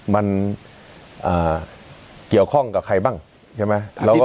มันเกี่ยวข้องกับใครบ้างใช่ไหม